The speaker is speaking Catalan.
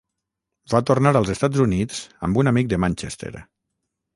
Va tornar als Estats Units amb un amic de Manchester.